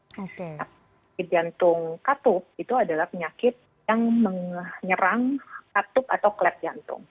penyakit jantung katuk itu adalah penyakit yang menyerang katuk atau klep jantung